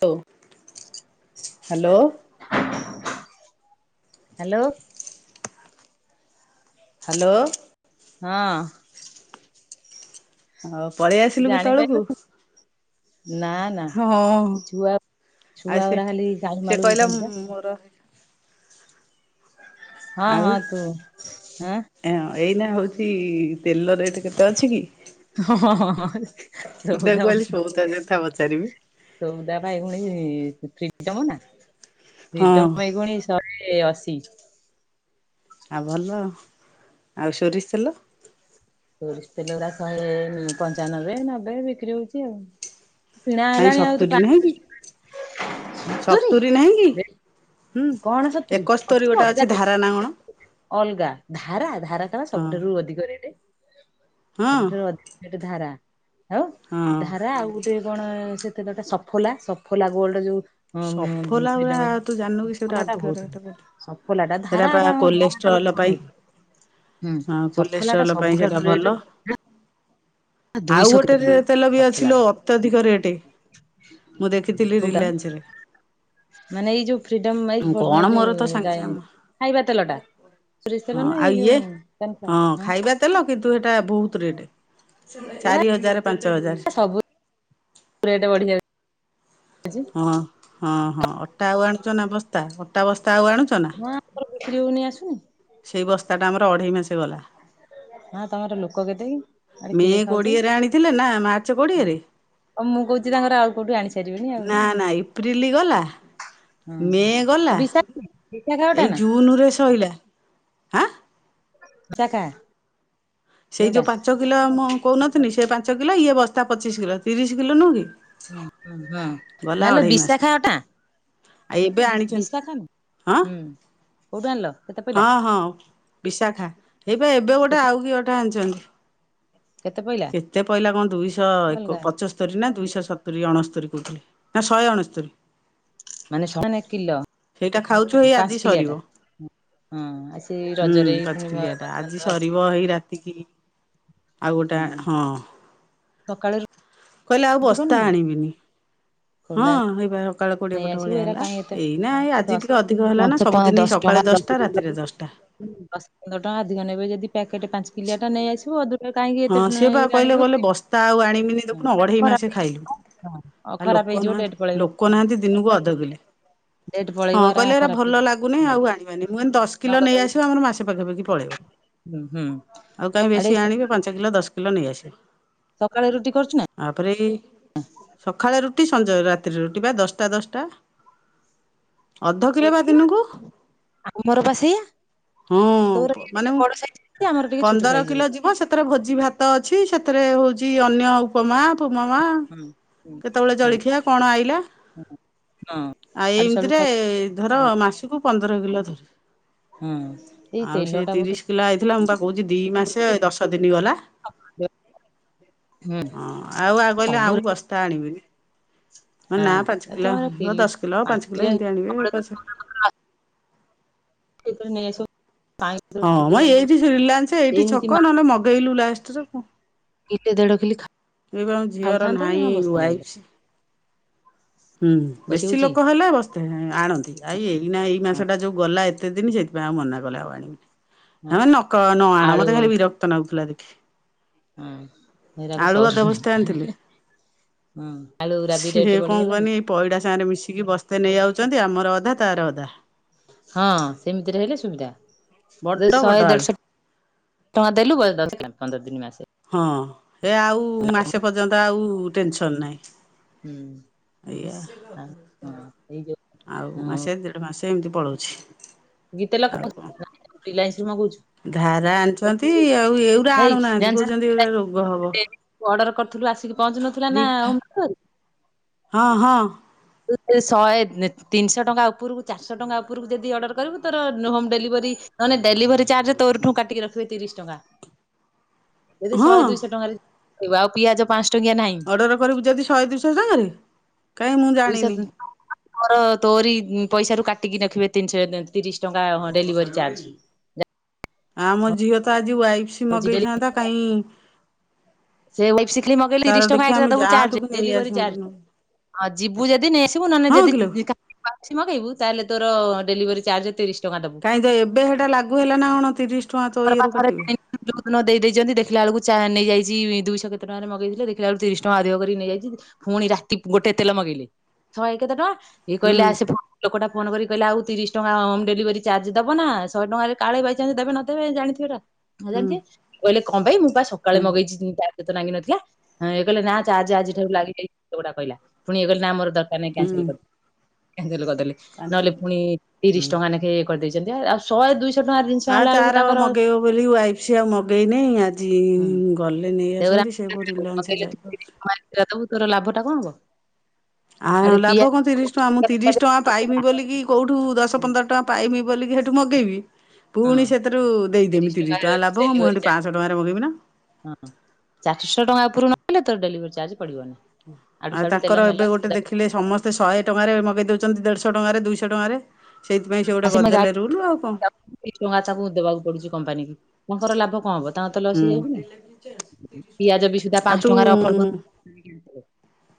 ହଉ, hello. Hello. Hello. ହଁ। ହଉ ପଳେଇଆଇ ଜାଣିପାଇଲୁନି, ନା ନା। ହଁ ଏ ଛୁଆ, ଛୁଆଗୁରା ଖାଲି କାଉଳୁ ମାଉଳୁ ହଉଛନ୍ତି ପା। ହଉ ରହିଲି। ହଁ-ହଁ ତୁ ଏଁ। ହଁ ଏଇନା ହଉଛି-ଇ-ଇ ତେଲ ରେଟ୍ କେତେ ଅଛି କି? ହଁ-ହଁଁ-ହଁ ହେ। ମୁଁ ତାକୁ କହିଲି ସଉଦା କଥା ପଚାରିବି। ସଉଦା ପା ଏଖୁଣି-ଇ-ଇ ଫ୍ରିଡମ ନା ହଁ ଫ୍ରିଡମ୍ ପାଇଁ ଫୁଣି ଶହେ-ଏ-ଏ ଅଶୀ। ଆଉ ଭଲ, ଆଉ ସୋରିଷ ତେଲ? ସୋରିଷ ତେଲଗୁରା ଶହେ-ଏ-ଏ ପଞ୍ଚାନବେ ନବେ ବିକ୍ରି ହଉଛି ଆଉ। କିଣା କାଇଁ ହେଲାଣି ଆଉ ତୁ ସତୁରି ନାହିଁ ପାଞ୍ଚ କି ଦଶ ଟଙ୍କା [inaudible] ସତୁରି ନାହିଁ କି ହୁଁ କଣ ସତୁରୀ? ଏକସ୍ତରୀ ଗୋଟେ ଅଛି ଧାରା ନା କଣ ଅଲଗା, ଧାରା ଧାରାଟା ପା ହଁ ସବୁଠାରୁ ଅଧିକ ରେଟ୍। ହଁ ସବୁଠାରୁ ଅଧିକ ରେଟ୍ ଧାରା, ଆଉ ହଁ ଧାରା ଆଉ [inaudible] କଣ-ଅ-ଅ ସେ ତେଲଟା ସଫୋଲା, ସଫୋଲା ଗୋଲଡ ଯୋଉ ଉଁ-ଉଁ-ଉଁ ସଫୋଲା ଗୁରା ଫ୍ରିଡମେର ତୁ ଜାଣିନୁ କି ସେଗୁରା ସଫୋଲାଟା ଅଧିକ ବହୁତ ରେଟ୍ ବୋଲି ସଫୋଲାଟା, ସେରା ପା ଧାରାର ଧାରାଟା ଗୋଟେ କୋଲେଷ୍ଟ୍ରଲ କଣ ପାଇଁ [inaudible] ହୁଁ, ହଁ ସଫୋଲାଟା କୋଲେଷ୍ଟ୍ରଲ ପାଇଁ ସେଟା ସବୁଠାରୁ ଭଲ। ରେଟ୍ ହୁଁ। ଆଉ ଗୋଟେ ରେ ତେଲ ବି ଅଛିି ଲୋ ଟା ଅତ୍ୟଧିକ ରେଟ୍। ମୁଁ ଦେଖିଥିଲି କୋଉଟା ରିଲାନ୍ସରେ। ମାନେ ଏଇ ଯୋଉ ଫ୍ରିଡମ୍ ଏଇ ମୁଁ [inaudible] କଣ ଏଇ ମୋର ଯୋଉ ତ ସାଙ୍ଗେ ଯାଇଁ ସାଙ୍ଗେ ଖାଇବା ତେଲଟା। ସୋରିଷ ହଁ ତେଲ ନା ଆଉ ଏଇ ଇଏ ଯୋଉ ସନ୍ ହଁ ଫ୍ଲାୱାର? ଉଁ। ଖାଇବା ତେଲ କିନ୍ତୁ ହଜଟା ବହୁତ ରେଟ୍, ଏରା ଚାରି ହଜାର ପାଞ୍ଚ ହଜାର। ସବୁ ରେଟ୍ ବଢି। [unintelligible] ଜି। ହଁ ହଁ ହଁ ଅଟା ଆଉ ଆଣୁଛ ନା ବସ୍ତା ଅଟା ବସ୍ତା ଆଉ ଆଣୁଛ ନା? ମାଁର ବିକିରି ହଉନି ଆସୁନି? ସେଇ ବସ୍ତାଟା ଆମର ଅଢ଼େଇ ମାସେ ଗଲା। ହଁ ତମର ଲୋକ କେତେ କି? ଆରେ ମେ କିଏ ଖାଉଚି? କୋଡ଼ିଏରେ ଆଣିଥିଲେ ନା ମାର୍ଚ୍ଚ କୋଡିଏରେ? ଆଉ ମୁଁ କହୁଛି ତାଙ୍କର ଆଉ କୋଉଠୁ ଆଣି ସାରିବେଣି ଆଉ ନା ନା ଏପ୍ରିଲ୍ ଗଲା ହଁ ମେ ଆଉ ଗଲା ବିଶାଖା ବିଶାଖା ଅଟା ଏଇ ନା ଜୁନରେ ଶୋଇଲା। ଆ [unintelligible] ସେଇ ଯୋଉଟା ଯୋଉ ପାଞ୍ଚ କିଲୋ ମୁଁ କହୁନଥିଲି ସେ ପାଞ୍ଚ କିଲୋ ଇଏ ବସ୍ତା ପଚିଶ କିଲୋ ତିରିଶ କିଲୋ ନୁହଁ କି। ଗଲା ନାଲୋ ଅଢେଇ ମାସ ବିଶାଖା ଅଟା। ଏବେ ଆଣିଛନ୍ତି ବିଶାଖା ନା ହଁ। ହୁଁ କୋଉଠୁ ଆଣିଲ? କେତେ ହଁ ପଇଲା ହଁ ବିଶାଖା ଏଇବା ଏବେ ଗୋଟେ କେତେ ଆଉ କି ଅଟା ଆଣିଛନ୍ତି। କେତେ ପଇଲା? କେତେ ପଇଲା କଣ, ଦୁଇଶହ ଏକ ଅଲଗା ପଚ ପଚସ୍ତରି ନା ଦୁଇଶହ ସତୁରି, ଅଣସ୍ତରି କହୁଥିଲେ, ନା ଶହେ ଅଣସ୍ତରି। ମାନେ ସମାନ କିଲ ସେଇଟା ଖାଉଛୁ ହେଇ ଆଜି ସରିବ। ହଁ ଆଉ ସେ ହୁଁ ରଜରେ ପୁଣି ପାଞ୍ଚକିଲିଆ ଟା, ଆଜି ବନ୍ଧୁବାନ୍ଧବ ଆସିବେ ସରିବ ହେଇ ରାତି ଏତିକି ଆଉ ଗୋଟେ ଆଣ, ହଁ। ସକାଳୁ କହିଲେ ଆଉ ରୁଟି କରିନୁ ବସ୍ତା ଆଣିବିନି ହଁ ଖୋଲା ହେଇବା ସକାଳୁ କୋଡ଼ିଏ ନେଇ ପଟ ଆସିବୁ ଭଳିଆ ଏରା ହେଲା। କାହିଁ ଏତେ ନାଇଁ ଆଜି ଦଶ ଟିକେ ଅଧିକ ଦଶ ହେଲା ଦଶ ନା, ସବୁଦିନ ଟଙ୍କା ସକାଳେ ଦଶ ଦଶଟା ରାତିରେ ଟଙ୍କା ଦଶଟା। ଦଶ ପନ୍ଦର ଟଙ୍କା ଅଧିକ ନେବେ ଯଦି ପ୍ୟାକେଟ ପାଞ୍ଚ କିଲିଆ ଟା ନେଇଆସିବ। ହଁ ସିଏ ବା କହିଲେ ଗଲେ ବସ୍ତା ଆଉ ଆଣିବିନି ହଁ ଦେଖ ଅଢେଇ ଖରାପ ମାସେ ଖାଇଲୁ। ହେଇଯିବ ହଁ ଆଉ ଖରାପ ଲୋକ ହେଇଯିବ ଡେଟ୍ ନାହାନ୍ତି ପଳେଇବ ଲୋକ ନାହାନ୍ତି ଦିନକୁ ଅଧକିଲେ। ଡେଟ୍ ହଁ ପଳେଇବ କହିଲେ ଏରା ଖରାପ ଭଲ ହେଇଯିବ। ଲାଗୁନି ହୁଁ ଆଉ ଆଣିବାନି, ମୁ କହିଲି ଦଶ କିଲେ ନଗଦ ନେଇ ଜିନିଷ। ଆସିବ ଆମର ମାସେ ପାଖାପାଖି ପଳେଇବ। [unintelligible] କେତେ କିଲୋ ଦଶ କିଲୋ ନେଇ ଆସିବ। ସକାଳେ ରୁଟି କରୁଚି ନା। ତାପରେ ଏଇ ସଖାଳେ ରୁଟି ସଞ୍ଜ ରାତିରେ ରୁଟି ବା ଦଶଟା ଦଶଟା ଅଧ କିଲ ବା ଦିନକୁ। ଆମର ବା ସେଇଆ ତୋର ହଁ ମାନେ ଟିକେ ବଡ ସାଇଜ୍ ର ରୁଟି ଆମର ଟିକେ ଛୋଟ ସାଇଜ୍ ରୁଟି। ହଁ ସେଥିରେ ଭୋଜି ଭାତ ଅଛି ସେଥିରେ ହଉଛି ଅନ୍ୟ ଉପମା ଉପମା, ହୁଁ ହୁଁ କେତେବେଳେ ହୁଁ ଜଳଖିଆ କଣ ଆଇଲା ହୁଁ ହଁ ଆଇ ଆଡୁ ସାଡୁ ଏମିତିରେ ଖାଇ ଧର ହଁ ମାସକୁ ପନ୍ଦର କିଲ ଯାଏ, ହଁ ଏଇ ଆଉ ତେଲ ସେ ଟା ବହୁତ ତିରିଶି କିଲ ଆଇଥିଲା, ମୁଁ ବା କହୁଛି ଦି ମାସେ ଦଶ ଦିନି ଗଲା। [unintelligible] ହୁଁ ହଁ ଆଉବା କହିଲେ ଆଉ ସବୁରେ ବସ୍ତା ଆଣିବେନି। ହ ନା ପାଞ୍ଚ ଏ କିିଲୋ ତମର ଓ ପିଲି ଦଶ କିିଲୋ ପାଞ୍ଚ କିିଲୋ କିଲିଆ ଏମିତି ଆଣିିବେ। ତମର ପଛ ଠିକ୍ କରି ନେଇ ଆସିବ। କାଇଁ ହଁ ମ ଅଧିକ ଆଣିକି ଏଇଠିି ରିଲାଏନ୍ସ ଏଇଠି ଏମିତି ଛକ ନହେଲେ ମଗେଇଲୁ ଲାଷ୍ଟ ରେ। ଏତେ ଧଡ଼କେଇଲି ଖା ଏଇ ବା ଝିଅର ଖାଉଥାନ୍ତେ କି, ନାହିଁ ହଁ ବସିଥିଲେ ଲୋ। ୱାଇଫ ହୁଁ, ବସି ବେଶୀ ହଉଛି ଲୋକ ହେଲେ ବସ୍ ଆଣନ୍ତି। ଆ ହଁ ଏଇନା ଏଇ ମାସଟା ଯୋଉ ଗଲା ଏତେ ଦିନି, ସେଇଥିପାଇଁ ଆଉ ମନା କଲେ ଆଉ ଆଣିବିନି। ହଁ ଆମେ ନକ ନ ଆଣ, ଆଳୁ ମତେ ଖାଲି ବିରକ୍ତ ନାଗୁଥିଲା ଦେଖି। ହୁଁ, ହେଇରାକ ଆଳୁ ଅଧ ସରୁନି, ବସ୍ତେ ହିଁ ହିଁ ଆଣିଥିଲେ। ହିଁ। ହୁଁ, ଆଳୁ ଗୁରା ବି ସିଏ ରେଟ୍ ବ କଣ କନି, ଏଇ ପଇଡ଼ା ସାଙ୍ଗରେ ମିଶିକି ବ ସ୍ତେ ନେଇଆଉଚନ୍ତି, ଆମର ଅଧା ତାର ଅଧା। ହଁ ସେମିତିରେ ହେଲେ ସୁବିଧା, ବଡ ଯୋଉ ବଡ ଶହେ ଆଳୁ ଦେଢଶହ ଟଙ୍କା ଦେଲୁ [unintelligible] ପନ୍ଦର ଦିନି ମାସେ ହଁ, ଏ ଆଉ ହୁଁ ମାସେ ପର୍ଯ୍ୟନ୍ତ ଆଉ ଟେନସନ୍ ନାହିଁ। ହୁଁ, ଏଇଆ ହଁ ହଁ, ଏଇ ଯୋଉ ଆଉ ହଁ ମାସେ, ଦେଢ ମାସେ ଏମିତି ପଳଉଛି। କି ତେଲ ଆଉ ଖାଉଚୁ? କଣ। ନା ରିଲାନ୍ସରୁୁ ମଗଉଚୁ। ଧାରା ଆଣିଚନ୍ତି ଆଉ ଏଉ ଏଇ ଜାଣିଚୁନା [unintelligible] ଅଡ଼ର୍ର କରିଥିଲୁ ଆସିକି ପହଞ୍ଚୁ ନଥିଲା ନା ଆ ରିଫା [unintelligible] ହଁ ହଁ। ଶହେ ତିନିଶହ ଟଙ୍କା ଉପରକୁ ଚାରିଶହ ଟଙ୍କା ଉପରକୁ ଯଦି ଅର୍ଡ଼ର କରିବୁ, ତୋର ହୋମ୍ ଡେଲିଭରି ନହେନେ ଡେଲିଭରି ଚାର୍ଜ ତୋରିଠୁ କାଟିକି ରଖିବେ ତିରିଶ ଟଙ୍କା। ଯଦି ଶହେ ହଁ ଦୁଇଶହ ଟଙ୍କାରେ ଯିବ, ଆଉ ପିଆଜ ପାଞ୍ଚ ଟ ଅର୍ଡ଼ର କରିବୁ ଯଦି ଶହେ ଦୁଇଶହ ଟଙ୍କାରେ, କାହିଁ ମୁଁ ଜାଣିନି? ମୋର ତୋରି ପଇସା ରୁ କାଟିକି ରଖିବେ ତିନିଶ ତିରିଶ ଟଙ୍କା ଡେଲିଭରି ଚାର୍ଜ। ଆମ ଝିଅ ତ ଆଜି ୱାଇଫସ୍ ହଉଛି ଡେଲି ମଗେଇଥାନ୍ତା କାଇଁ [unintelligible] ମଗେଇଲେ ତିରିଶି ଟଙ୍କା ଦେଖିବା ଏକଷ୍ଟ୍ରା ଆମେ ଦବୁ ଯାଆନ୍ତୁ ଚାର୍ଜ, କି ନେଇ ଡେଲିଭରି ଆସନ୍ତୁ ଚାର୍ଜ। ନ ଆଉ ଯିବୁ ଯଦି ନେଇ ଆସିବୁ, ନହେଲେ ହଁ କିଲୋ ଯଦି କା ଅଛି ମଗେଇବୁ, ତାହେଲେ ତୋର ଡେଲିଭରି ଚାର୍ଜ ତିରିଶ ଟଙ୍କା ଦବୁ। କାହିଁକ ତ ଏବେ ସେଟା ଲାଗୁ ହେଲା ନା କଣ, ତିରିଶ ଟଙ୍କା ତୋ ଇଏ ରୁ କାଟିବେ? ଯୋଉଦିନ ଦେଇଦେଇଚନ୍ତି, ଦେଖିଲା ବେଳକୁ ଚା ନେଇଯାଇ ଦିଇଶହ କେତେ ଟଙ୍କାରେ ମଗେଇଥିଲେ, ଦେଖିଲା ଆ ତିରିଶ ଟଙ୍କା ଅଧିକ କରିିକି ନେଇଯାଇଚି, ପୁଣି ରାତି କି ଗୋଟେ ତେଲ ମଗେଇଲେ ଶହେ କେତେ ଟଙ୍କା, ଇଏ କହିଲେ ହୁଁ ଆ ସିଏ ଲୋକଟା ଫୋନ୍ କରି କହିଲା, ଆଉ ତିରିଶି ଟଙ୍କା ହୋମ୍ ଡେଲିଭରି ଚାର୍ଜ ଦବ ନା? ଶହେ ଟଙ୍କାରେ କାଳେ ବାଇଚାନସ୍ ଦେବେ ନ ଦେବେ, ଜାଣିଥିବେ ହୁଁ ନଜାଣିଥିବେ, ଇଏ କହିଲେ କଣ ପାଇଁ, ମୁଁ ପା ସକାଳେ ହୁଁ ମଗେଇଚି ଟାକ୍ସ ଏତେ ନାଗିନଥିଲା? ଇଏ କହିଲେ ନା, ଚାର୍ଜ ଆଜିଠାରୁ ଲାଗିଯାଇଚି ଲୋକଟା କହିଲା, ପୁଣି ଇଏ କହିଲେ ନାଆ ମୋର ଦର୍ କହିଲେ ନାଇଁ କ୍ୟାନ୍ସେଲ ହୁଁ କରିଦିଅ, କ୍ୟାନ୍ସେଲ କରିଦେଲେ, ପାଞ୍ଚ ନହେଲେ ପୁଣି ତିରିଶ ହୁଁ ଟଙ୍କା ନେଖେ କରି ଦେଇଚନ୍ତି ଆଉ, ଆଉ ଶହେ ଦୁଇଶ ଆଉ ତାର ମଗେଇବ ବୋଲି ୱାଇଫ ସି ଆଉ ମଗେଇନି ଆଜି ଇ ହୁଁ ଇ ଗଲେ ନେଇ ଆସନ୍ତି, ସେ କୋଉ ରିଲାନ୍ସ ଯାଇପାରୁଚି? ଏଇଆ ଦବୁ, ତୋର ଲାଭ ଟା କଣ ହବ? ଆ ଆଡେ ପିଆ ଲାଭ କଣ ହଁ ତିରିଶ ଟଙ୍କା, ମୁଁ ତିରିଶ ଟଙ୍କା ପାଇବି ବୋଲିକି କୋଉଠୁ ଦଶ ପନ୍ଦର ଟଙ୍କା ପାଇମି ବୋଲିକି ହେଟୁ ମଗେଇବି ହଁ ପୁଣି ସେଥିରୁ ଦେଇଦେମି ତିରିଶ ଟଙ୍କା, ଲାଭକଣ? ମୁଁ ହେଠୁ ପାଆଁଶ ଟଙ୍କାରେ ମଗେଇବି ନା କ ହଁ, ଚାରିଶହ ଟଙ୍କା ଉପରୁ ନହଲେ ତୋର ଡେଲିଭରି ଚାର୍ଜ ପଡିବନି। ଆଡୁ ଆଉ ସାଡୁ ତେଲ ତାଙ୍କର ମେଲ ଏବେ ଗୋଟେ ସଉଦା ଦେଖିଲେ ସମସ୍ ତେ ଶହେ ଟଙ୍କାରେ ମଗେଇ ଦେଉଛନ୍ତି, ଦେଢ଼ଶହ ଟଙ୍କାରେ ଦୁଇଶହ ଟଙ୍କାରେ, ସେଇଥିପାଇଁ ସେ ଗୋଟେ ଗଦଲେ ରୁଲୁ ଆଉ କଣ? ଦି ଟଙ୍କା ତାକୁ ଦେବାକୁ ପଡୁଚି କମ୍ପାନୀ କି, ତାଙ୍କର ଲାଭ କଣ ହବ? ଙ୍କ ତ ଲସି ଯାଇଛି ନା ହୁଁ ପିଆଜ ବି ସୁଦ୍ଧା ଆଉ ପାଞ୍ଚ ତୁ ଟଙ୍କାର ଅଫରୁ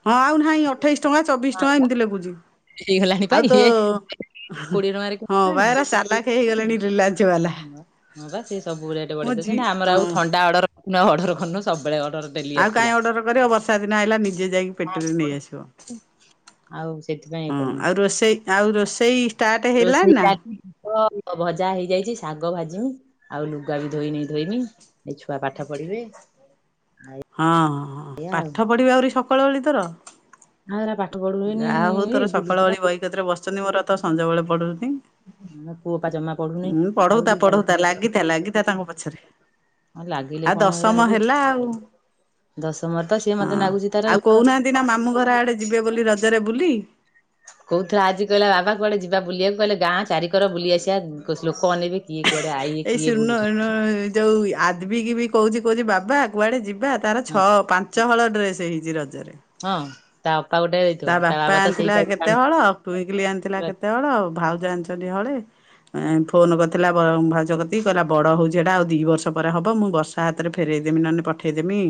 ହଁ ଆଉ ନାହିଁ ଅଠେଇଶ ଟଙ୍କା ଚବିଶ ଟଙ୍କା ଏମିତି ଲାଗୁଛି। ହେଇଗଲାଣି ପା ଇଏ କୋଡିଏ ଟଙ୍କାରେ ହଁ ପା କିଣିଲାଣି। ଏରା ଚାଲାଖ ହେଇଗଲାଣି ରିଲାଞ୍ଚ ବାଲା। ହଁ ବା ସେ ସବୁ ରେଟ ମୋ ବଢେଇ ଝି ଦଉଛନ୍ତି ନା ଆମର ଆଉ ହଁ। ଥଣ୍ଡା ଅର୍ଡର ଅର୍ଡର କରୁ ସବୁବେଳେ ଅର୍ଡର ଡେଲି ଆଉ ଆସୁଥିଲା। କାହିଁ ଅର୍ଡର କରିବ ବର୍ଷା ଦିନ ଆଇଲା ନିଜେ ଯାଇଁ ପେଟିରୁ ନେଇଆସିବ। ଆଉ ସେଥିପାଇଁ ଇଏ ହଁ କରିନୁ ଆଉ ରୋଷେଇ ଆଉ ରୋଷେଇ ଷ୍ଟାର୍ଟ ହେଲାଣି ରୋଷେଇ ନା? କାତି ହ ଭଜା ହେଇଯାଇଛି ଶାଗ ଭାଜିମି ଆଉ ଲୁଗା ବି ଧୋଇନି ଧୋଇମି। ଏଇ ଛୁଆ ପାଠ ପଢ଼ିବେ ଆ ହଁ ହଁ ପାଠ ପଢ଼ିବି ଆହୁରି ସକାଳ ବେଳୀ ତୋର ଆଉ ଏରା ପାଠ ପଢୁବେନି ଯାହା ହଉ ତୋର ଏଇ ସକାଳ ବୁଲୁଚୁ ବେଳି ବହି କତିରେ ବସିଛନ୍ତି ମୋର ତ ସଞ୍ଜ ବେଳେ ପଢ଼ନ୍ତି। ମୋ ପୁଅ ପା ଜମା ପଢୁନି ହଁ ପଢତା ଖାଉଛି ପଢଉତା ଲାଗିଥା ଲାଗିଥା ତାଙ୍କ ପଛରେ ଲାଗିଲେ ଆ କଣ ଏରା ଦଶମ ହେବେ ହେଲା ଆଉ ଦଶମରେ ତ ସିଏ ହଁ ମତେ ନାଗୁଛି ତାର ଆଉ କହୁନାହାନ୍ତି ନା ମାମୁଁ ଘର ଆଡେ ଯିବେ ବୋଲି ରଜରେ ବୁଲି। କହୁଥିଲା ଆଜି କହିଲା ବାବା କୁଆଡ଼େ ଯିବା ବୁଲିବାକୁ କହିଲେ ଗାଁ ଚାରିିକର ବୁଲି ଆସିବା ଲୋକ ଅନେଇବେ। କିଏ କୁଆଡ଼େ ଆଇଲେ ଏଇ କିଏ ଶୂନ ବୁଲୁଛନ୍ତି। ଯୋଉ ଆଦିବିକି ବି କହୁଛି କହୁଛି ବାବା କୁଆଡ଼େ ଜି ଏବେ ତାର ହଁ ଛଅ ପାଞ୍ଚ ହଳ ଡ୍ରେସ ହେଇଛି ରଜରେ। ହଁ ତା ବାପା ଗୋଟେ ଦେଇଥିବ ତା ବାପା ବାବା ତ ସେଇ ଆଣିଥିଲା ଭାଉଜ କେତେ ହଳ ଟୁଇଁକିଲି ଆଣିଥିଲା କେତେ ହଳ ଆଉ ଭାଉଜ ଆଣିଛନ୍ତି ହଳେ। ଏ ଫୋନ୍ କରିଥିଲା ଭାଜକତି କହିଲା ବଡ ହଉଛି ଏଟା ଆଉ ଦି ବର୍ଷ ପରେ ହବ ମୁଁ ବର୍ଷ ତା ହାତରେ ଫେରେଇଦେମି ନହେଲେ ପଠେଇଦେମି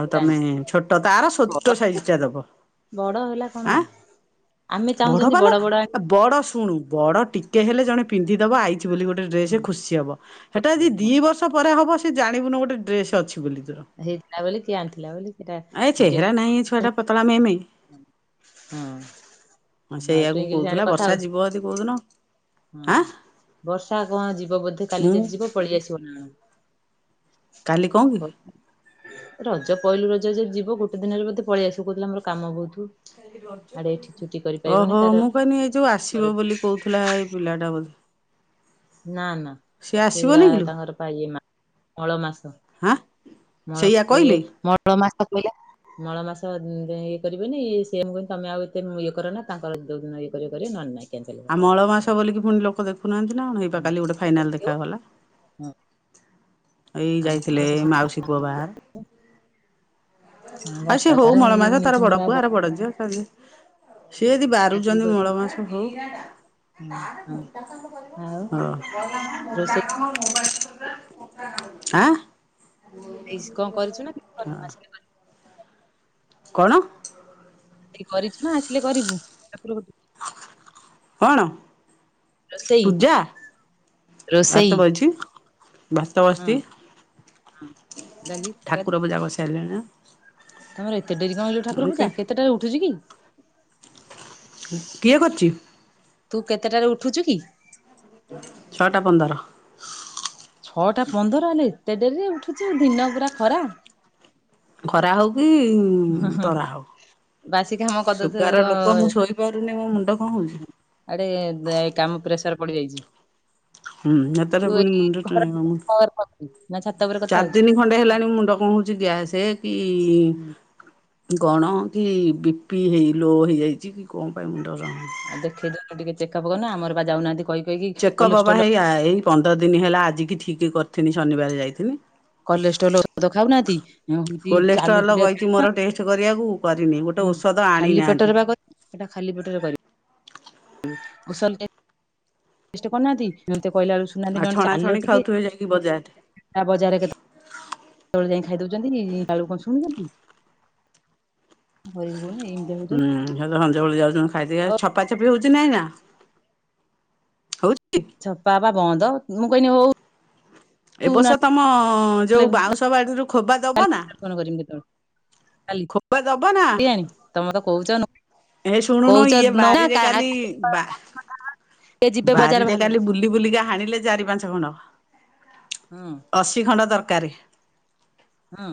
ଆଉ ତମେ ଛୋଟ ତାର ଛୋଟ ସାଇଜ ଟା ଦବ। ବଡ଼ ହେଲା କଣ ଆମେ ଆଁ ବଡ ଚାହୁଁଛନ୍ତି ପାଲୋ ବଡ ଆଣି ବଡ ଶୁଣୁ ବଡ ଟିକେ ହେଲେ ଜଣେ ପିନ୍ଧିଦବ ଆଇଛି ବୋଲି ଗୋଟେ ଡ୍ରେସ ଖୁସି ହବ ସେଟା ଆ ଦି ବର୍ଷ ପରେ ହେବ ସେ ଜାଣିବୁ ନି ଗୋଟେ ଡ୍ରେସ ଅଛି ବୋଲି ତୋର। ହେଇଥିଲା ବୋଲି କିଏ ଆଣିଥିଲା ବୋଲି ସେଟା ଏ ଚେହେରା ଦେଖ ନାହିଁ ଏ ଛୁଆଟା ପତଳା ମେ ମେ ହଁ ହଁ ଆଉ ସେଇଆକୁ ଟୁଇଁକିଲି ସାଙ୍ଗରେ କହୁଥିଲା କଥା ବର୍ଷା ହଉଛୁ ଯିବ ଯଦି କୋଉଦିନ ହଁ ଆଁ ବର୍ଷା କଣ ଯିବ ବୋଧେ କାଲି ମୁଁ ଯଦି ଯିବ ପଳେଇ ଆସିବ ନା କଣ। କାଲି କଣ କି? ହ ରଜ ପହିଲୁ ରଜ ଯ ଯିବ ଗୋଟେ ଦିନରେ ବୋଧେ ପଳେଇ ଆସିବୁ କହୁଥିଲା ଆମର କାମ ବହୁତୁ। ଓହୋ ତାର ମୁଁ କହିଲି ଏ ଯୋଉ ଆସିବ ବୋଲି କହୁଥିଲା ଏଇ ପିଲାଟା ବୋଧେ। ନା ନା ସିଏ ସେଇଟା ଆସିବନି କିଲୋ? ତାଙ୍କର ପା ଇଏ ମାସ ମଳ ମାସ। ହାଁ ମଳ ସେଇଆ ମାସ ଇଏ କହିଲେ? ମଳ ମାସ ପଇଲା। ମଳମାସ ଇଏ କରିବେନି ସେ କହନ୍ତ ତମେ ଆଉ ଏତେ ଇଏ କର ନା ତାଙ୍କର ଯୋଉଦିନ ଇଏ କର କରିବ ନ ନାହିଁ। ଆଉ ମଳ ମାସ ବୋଲିକି ପୁଣି ଲୋକ ଦେଖୁନାହାନ୍ତି ନା କଣ ହେଇ ପା ହୁଁ। କାଲି ଗୋଟେ ଫାଇନାଲ ଦେଖାଗଲା ଏଇ ଯାଇଥିଲେ ହଁ ମାଉସୀ ପୁଅ ବାହହାର। ହଁ ସେ ବର୍ଷା ତାର ହଉ ମଳ ଇଏ ମାସ ହଉଛି ତାର ମୁଁ ବଡ଼ ପୁଅ ଆଉ ଆର ବଡ଼ ଝିଅ [unintelligible] ସିଏ ଯଦି ଚାକିରି ବାରୁଛନ୍ତି ମଳ କରିବି ମାସକୁ ଆ ହଁ ମୋଟା କାମ ଆଉ କରିବ ନା ମୋଟା ରୋଷେଇ କାମ ମୋବଲ ହାଁ କଣ କରିଛୁ ନା କିଛି କରିନୁ ହଁ ଆସିଲେ କଣ? ଏ କରିଛୁ ନା ଆସିଲେ କରିବୁ ଠାକୁର କଣ? ରୋଷେଇ ପୂଜା ରୋଷେଇ ଭାତ ବଇଛି। ଭାତ ହଁ ବସିଛି। ହଁ। ଡାଲି ତରକାରୀ ଠାକୁର ପୂଜା ବ ସାରିଲେଣି? ତମର ଏତେ ଡେରି କଣଲ ଠାକୁର ପୂଜା କେତେଟାରେ ଉଠୁଛି କି? କିଏ କରିଛି? ତୁ କେତେଟାରେ ଉଠୁଛୁ କି? ଛଟା ପନ୍ଦର। ଛଅଟା ପନ୍ଦର ହେଲେ ଏତେ ଡେରିରେ ଉଠୁଛୁ ଆ ଦିନ ପୁରା ଖରା। ଖରା ହଉ କି ହୁଁ ତରା ହଉ ବାସି କାମ କରିଦଉଥିବ ସୁୁଗାର ଲୋକ ମୁଁ ଶୋଇପାରୁନି ମୋ ମୁଣ୍ଡ କଣ ହଉଛି। ଆଡେ ଦେ କାମ ପ୍ରେସର ପଡିଯାଇଛି। ହୁଁ ତୁ ଏଥିରେ ଏଇ ପୁଣି ମୁଣ୍ଡ ଘର ଟିଣ ମୁ। ନା ଛାତ ଉପର ଚାରି ଦିନ ଖଣ୍ଡେ ହେଲାଣି ମୁଣ୍ଡ କଣ ହଉଛି ଗ୍ୟାସ କି ହୁଁ କଣ କି ବି ପି ହେଇ ଲୋ ହେଇଯାଇଛି କି କଣ ପାଇଁ ମୁଣ୍ଡ ର ଆଉ ଦେଖେଇଦଉନୁ ଟିକେ ଚେକଅପ କରନ ଆମର ବା ଯାଉନାହାନ୍ତି କହି କହିକି ଚେକଅପ୍ ବା କଲେଷ୍ଟ୍ରୋଲ ହେଇ ଏଇ ପନ୍ଦର ଦିନ ହେଲା ଆଜିିକି ଠିକ କରିଥିନି ଶନିବାର ଯାଇଥିଲି। କଲେଷ୍ଟ୍ରୋଲ ଔଷଧ ଖାଉନାହାନ୍ତି ଏମିତି କୋଲେଷ୍ଟ୍ରଲ ଚାଲୁଥିଲେ। କହିଛି ମୋର ଟେଷ୍ଟ କରିବାକୁ କରିନି ଗୋ ହୁଁ ଖାଲି ପେଟରେ ବା କରିନି ଏଇଟା ଖାକି ପେଟରେ କରିବୁ ମୁସଲ୍ଟେ କରିନାହାନ୍ତି କହିଲା ବେଳ ଶୁଣୁନାହାନ୍ତି ଆଉ ନେ ଛଣା ଚାଲ ଛଣି ଟିକେ ଖାଉଥିବେ ଯାଇକି ବଜାରରେ ମୀନ ବଜାର କେତ ଯାଇ ଖାଇଦଉଛନ୍ତିକି କଣ ଶୁଣୁଛନ୍ତି। ଭରିବୁନି ଏମିତି ହଉଛନ୍ତି। ହୁଁ ହେତ ସନ୍ଧ୍ୟାବେଳେ ଯାଉଛନ୍ତି ଖାଇଦେଇ ଛପା ଛପି ହଉଛି ନାଇଁ ନା ହଉଛି ଛପା ପା ବନ୍ଦ ମୁଁ କହିଲି ହଉ ଏବ ବର୍ଷ ତମ ଯୋଉ ବାଉଁଶ ବାଡ଼ିରୁ ଖୋବା ଦବ ନା? କଣ କରିମି କେତେବେଳେ କାଲି ଖୋବା ଦବ ନା ହେଆଣି ତମେ ତ କହୁଛ। ହେ ଶୁଣୁନୁ କହୁଛ ଇଏ ନ ବାରିରେ କାଲି କାହାକୁ ବା ବାରିରେ କାଲି ବୁଲି ବୁଲିକା ହାଣିଲେ ଚାରି ପାଞ୍ଚ ଖଣ୍ଡ। ହଁ। ଅଶୀ ଖଣ୍ଡ ଦରକାରେ। ହଁ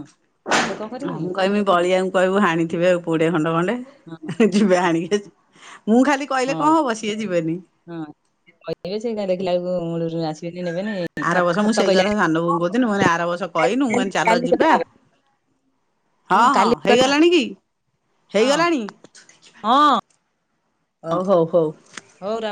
କଣ କରିବୁ ଆଉ ମୁଁ କିଲୋ? କହିମି ବଳିଆଙ୍କୁ କହିବୁ ହାଣିଥିବେ ଆଉ କୋଡିଏ ଖଣ୍ଡ ଖଣ୍ଡେ। ହଁ। ଯିବେ ଆଣିକି ମୁଁ ଖାଲି କହିଲେ ହଉ କଣ ହବ ସିଏ ଯିବେନି। ହଁ କହିିବେ ସେ ଏକା ଦେଖିଲା ବେଳକୁ ଆସିବେନି ନେବେନି। ଆରବର୍ଷ ମୁଁ ଖତ ସେଇ କହିଲା କଥା ସାନ ବହୁଙ୍କୁ କହୁଥିଲି ମୁ କହିଲି ଆର ବର୍ଷ କହିନୁ ମୁଁ କହିଲି ଚାଲ କାଲି କଥା ଯିବା। ହବା ହଁ ଶୁଣୁ ହଁ କାଲି କଥା ହବା ହେଇଗଲାଣି କି? ହଁ ହେଇଗଲାଣି? ହଁ ହଉ ହଉ ହଉ ହଉ ର